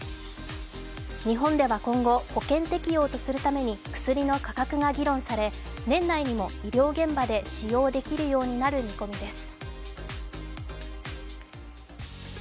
日本では今後、保険適用とするために薬の価格が議論され年内にも医療現場で使用できるようになる見込みです。